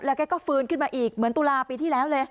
แกก็ฟื้นขึ้นมาอีกเหมือนตุลาปีที่แล้วเลย